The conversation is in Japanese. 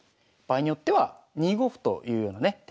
場合によっては２五歩というようなね